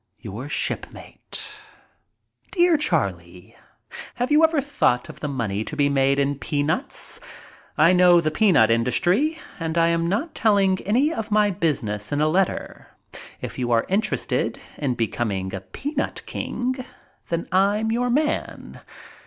Your shipmate. Dear Charlie, — Have you ever thought of the money to be made in peanuts? I know the peanut industry, but I am not telling any of my business in a letter. If you are interested in becoming a peanut king, then I'm yotir man.